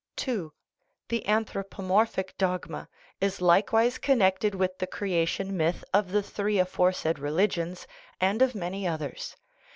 II. The anthropomorphic dogma is likewise connected with the creation myth of the three aforesaid religions, and of many others.